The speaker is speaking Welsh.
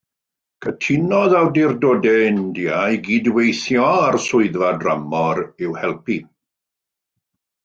Cytunodd awdurdodau India i gyd-weithio â'r Swyddfa Dramor i'w helpu.